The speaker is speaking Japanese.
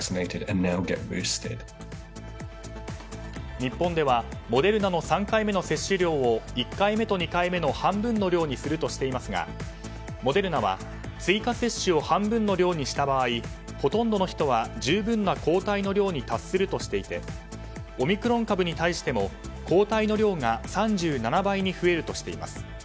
日本ではモデルナの３回目の接種量を１回目と２回目の半分の量にするとしていますがモデルナは追加接種を半分の量にした場合ほとんどの人は十分な抗体の量に達するとしていてオミクロン株に対しても抗体の量が３７倍に増えるとしています。